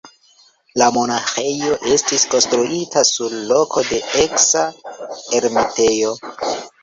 La monaĥejo estis konstruita sur loko de eksa ermitejo.